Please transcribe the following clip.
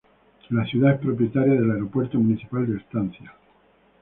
La ciudad es propietaria del "Aeropuerto Municipal de Estancia".